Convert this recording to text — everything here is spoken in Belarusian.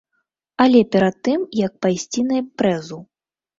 Але перад тым, як пайсці на імпрэзу.